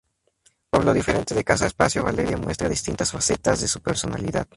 Por lo diferente de casa espacio Valeria muestra distintas facetas de su personalidad.